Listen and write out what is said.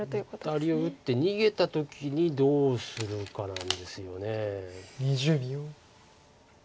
アタリを打って逃げた時にどうするかなんですよね。